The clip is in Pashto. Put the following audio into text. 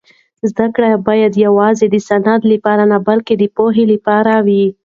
زده کړه باید یوازې د سند لپاره نه بلکې د پوهې لپاره وي.